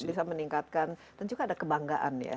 bisa meningkatkan dan juga ada kebanggaan ya